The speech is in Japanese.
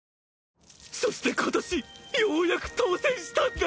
そして今年ようやく当選したんだ！